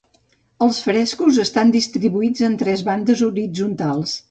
Els frescos estan distribuïts en tres bandes horitzontals.